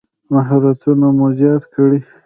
مهارتونه مو زیات کړئ